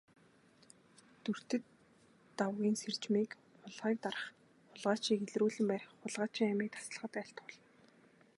Дүртэд Дагвын сэржмийг хулгайг дарах, хулгайчийг илрүүлэн барих, хулгайчийн амийг таслахад айлтгуулна.